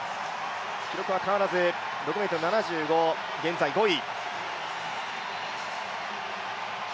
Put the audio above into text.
記録は変わらず、６ｍ７５、現在５位。